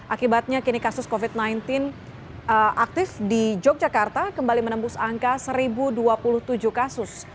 akibatnya kini kasus covid sembilan belas aktif di yogyakarta kembali menembus angka satu dua puluh tujuh kasus